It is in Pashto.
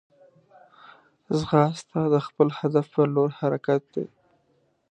ځغاسته د خپل هدف پر لور حرکت دی